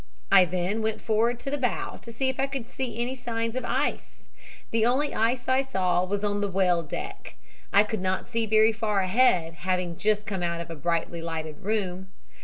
I then went forward to the bow to see if I could see any signs of ice. The only ice I saw was on the well deck. I could not see very far ahead, having just come out of a brightly lighted room.